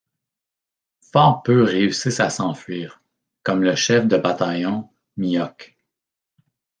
Fort peu réussissent à s'enfuir, comme le chef de bataillon Miocque.